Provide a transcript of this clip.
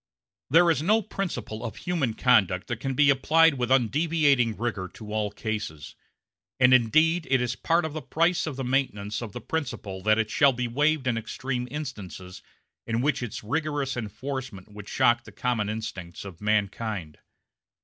There is no principle of human conduct that can be applied with undeviating rigor to all cases; and indeed it is part of the price of the maintenance of the principle that it shall be waived in extreme instances in which its rigorous enforcement would shock the common instincts of mankind.